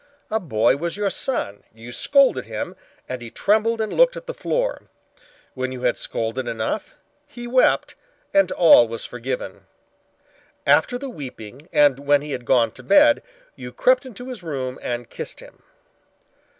A boy was your son, you scolded him and he trembled and looked at the floor. When you had scolded enough he wept and all was forgiven. After the weeping and when he had gone to bed, you crept into his room and kissed him.